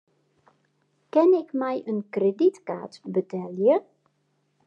Kin ik mei in kredytkaart betelje?